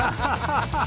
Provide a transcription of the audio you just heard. ハハハハ！